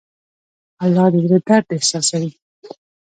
الله د زړه درد احساسوي.